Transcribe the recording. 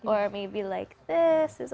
atau mungkin seperti ini